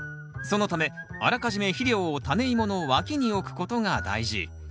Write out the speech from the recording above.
そのためあらかじめ肥料をタネイモの脇に置くことが大事。